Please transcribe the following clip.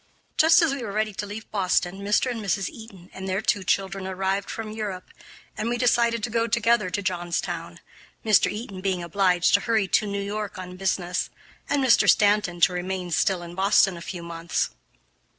Just as we were ready to leave Boston, Mr. and Mrs. Eaton and their two children arrived from Europe, and we decided to go together to Johnstown, Mr. Eaton being obliged to hurry to New York on business, and Mr. Stanton to remain still in Boston a few months.